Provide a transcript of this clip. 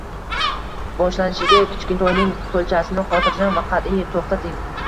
Boshlanishiga kichkintoyning qo‘lchasini xotirjam va qatʼiy to‘xtating